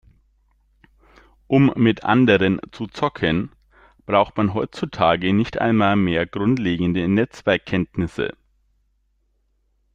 Um mit anderen zu zocken, braucht man heutzutage nicht einmal mehr grundlegende Netzwerkkenntnisse.